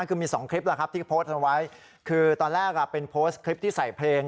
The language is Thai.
คือมีสองคลิปแหละครับที่โพสต์เอาไว้คือตอนแรกเป็นโพสต์คลิปที่ใส่เพลง